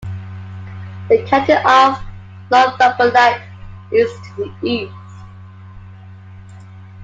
The county of Northumberland is to the east.